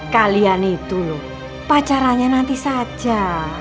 kalian itu loh pacaranya nanti saja